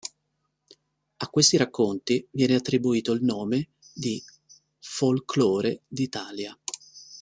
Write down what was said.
A questi racconti viene attribuito il nome di Folclore d'Italia.